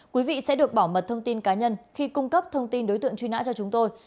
quý vị sẽ được bảo mật thông tin cá nhân khi cung cấp thông tin đối tượng truy nã cho chúng tôi